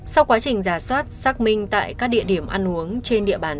sau quá trình giả soát xác minh tại các địa điểm ăn uống trên địa bàn